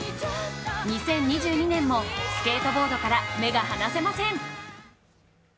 ２０２２年もスケートボードから目が離せません。